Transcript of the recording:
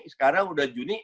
sekarang sudah juni